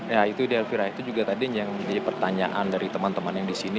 ya itu dl vira itu juga tadi yang menjadi pertanyaan dari teman teman yang disini